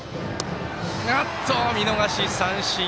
見逃し三振。